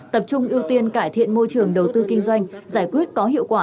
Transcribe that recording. tập trung ưu tiên cải thiện môi trường đầu tư kinh doanh giải quyết có hiệu quả